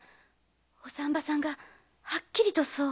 お産婆さんがはっきりとそう。